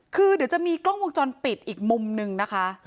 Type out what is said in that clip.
คือเดี๋ยวจะมีกล้องวงจรปิดอีกมุมนึงนะคะ